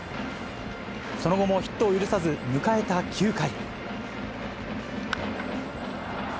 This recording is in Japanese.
その後もヒットを許さず、迎えた９回。